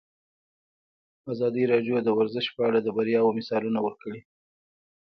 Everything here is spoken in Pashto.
ازادي راډیو د ورزش په اړه د بریاوو مثالونه ورکړي.